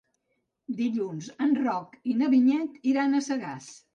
Dilluns en Roc i na Vinyet iran a Sagàs.